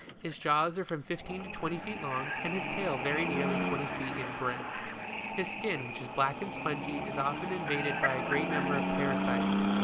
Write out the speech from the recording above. His jaws are from fifteen to twenty feet long, and his tail very nearly twenty feet in breadth. His skin, which is black and spongy, is often in vaded by a great number of parasites.